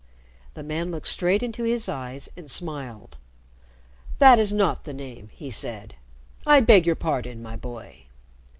The man looked straight into his eyes and smiled. "That is not the name," he said. "I beg your pardon, my boy."